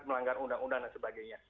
melanggar undang undang dan sebagainya